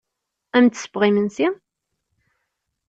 Ad am-d-ssewweɣ imensi?